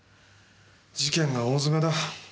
事件が大詰めだ。